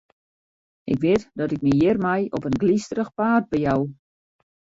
Ik wit dat ik my hjirmei op in glysterich paad bejou.